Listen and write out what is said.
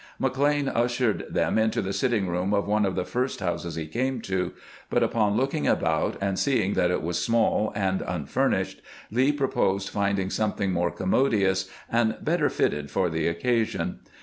McLean ushered them into the sitting room of one of the first houses he came to; but upon looking about, and seeing that it was small and unfurnished, Lee pro posed finding something more commodious and better fitted for the occasion.